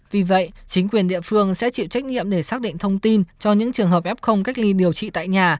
vì vậy chính quyền địa phương sẽ chịu trách nhiệm để xác định thông tin cho những trường hợp f cách ly điều trị tại nhà